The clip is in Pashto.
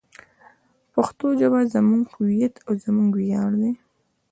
پښتو ژبه زموږ هویت او زموږ ویاړ دی.